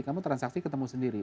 kamu transaksi ketemu sendiri